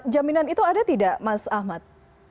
jaminan itu ada tidak mas ahmad